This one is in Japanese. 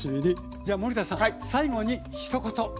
じゃあ森田さん最後にひと言お願いします。